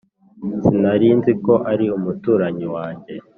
Sinarinziko ari umuturanyi wanjye